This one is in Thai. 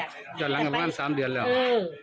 อือแต่อันนี้มาหาน้องอยู่อันลูกสาวอยู่เฮียนบอกว่า